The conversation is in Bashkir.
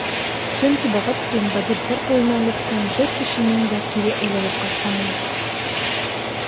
Сөнки быға тиклем бандиттар ҡулына эләккән бер кешенең дә кире әйләнеп ҡайтҡаны юҡ.